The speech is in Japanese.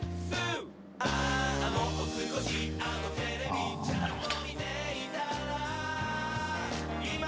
あなるほど。